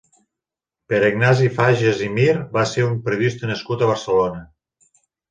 Pere Ignasi Fages i Mir va ser un periodista nascut a Barcelona.